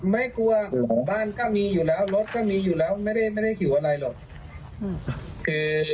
ไม่กลัวบ้านก็มีอยู่แล้วรถก็มีอยู่แล้วไม่ได้หิวอะไรหรอก